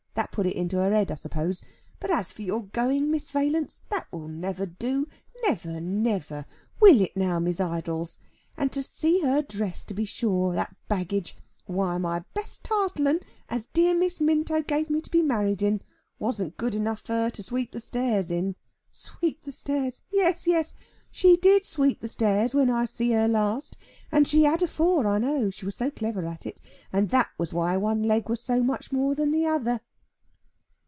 That put it into her head, I suppose. But as for your going, Miss Valence, that will never do. Never, never. Will it now, Miss Idols? And to see her dress, to be sure, that baggage! Why, my best tarlatan, as dear Miss Minto give me to be married in, wasn't good enough for her to sweep the stairs in. Sweep the stairs yes, yes, she did sweep the stairs when I see her last; and she had afore, I know; she was so clever at it; and that was why one leg was so much more than the other."